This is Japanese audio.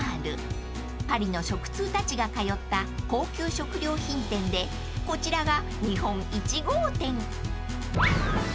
［パリの食通たちが通った高級食料品店でこちらが日本１号店］